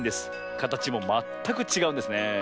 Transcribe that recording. かたちもまったくちがうんですね。